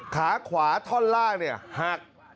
ขาขวาท่อนล่างหัก